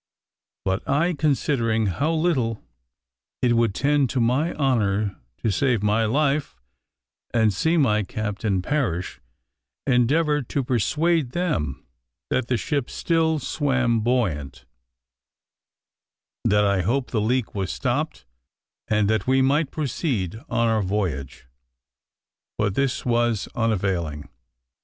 But I, considering how little it would tend to my honor to save my life, and see my captain perish, endeavored to persuade them that the ship still swam buoyant, that I hoped the leak was stopped, and that we might proceed on our voyage; but this was unavailing.